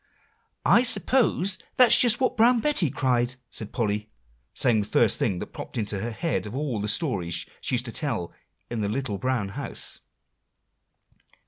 "I suppose that's just what Brown Betty cried," said Polly, saying the first thing that popped into her head of all the stories she used to tell in The Little Brown House.